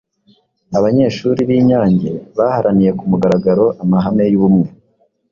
Abanyeshuri b’i Nyange baharaniye ku mugaragaro amahame y’ubumwe